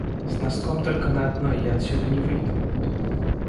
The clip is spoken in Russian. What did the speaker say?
С носком только на одной я отсюда не выйду!